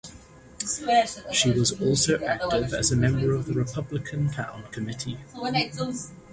She was also active as a member of the Republican Town Committee.